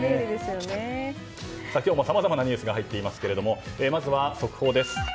今日もさまざまなニュースが入っていますがまずは速報です。